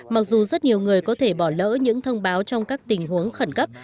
mặc dù rất nhiều người có thể bỏ lỡ những thông báo trong các tình huống khẩn cấp